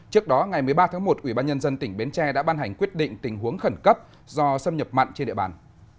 trước đó ngày một mươi ba tháng một ubnd tỉnh bến tre đã ban hành quyết định tình huống khẩn cấp do xâm nhập mặn trên địa bàn